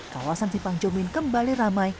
kawasan simpang jomin kembali ramai